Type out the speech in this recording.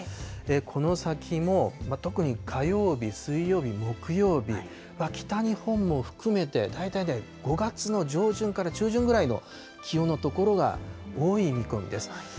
この先も、特に火曜日、水曜日、木曜日、北日本も含めて、大体ね、５月の上旬から中旬ぐらいの気温の所が多い見込みです。